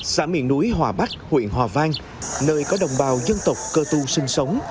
xã miền núi hòa bắc huyện hòa vang nơi có đồng bào dân tộc cơ tu sinh sống